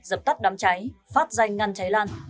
dập tắt đám cháy phát danh ngăn cháy lan